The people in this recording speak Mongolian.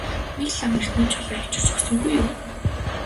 Нэг лам эрдэнийн чулуу авчирч өгсөнгүй юу?